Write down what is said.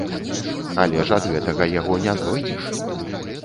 Але ж ад гэтага яго не знойдзеш.